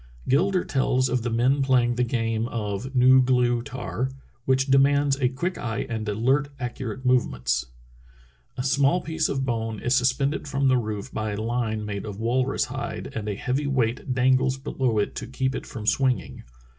Gilder tells of the men playing the game of nu glew'tary which demands a quick eye and alert, accurate movements: "A small piece of bone is sus pended from the roof by a line made of walrus hide, and a heavy weight dangles below it to keep it from swinging.